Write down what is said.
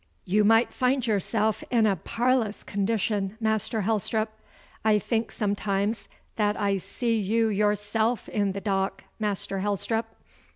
You might find yourself in a parlous condition, Master Helstrop. I think sometimes that I see you yourself in the dock, Master Helstrop.